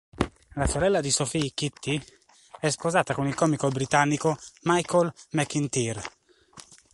La sorella di Sophie, Kitty, è sposata con il comico britannico Michael McIntyre.